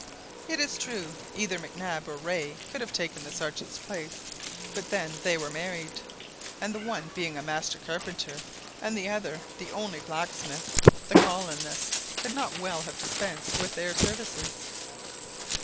It is true either Mac Nab or Rae could have taken the Sergeant's place; but then they were married, and the one being a master carpenter, and the other the only blacksmith, the colonists could not well have dispensed with their services.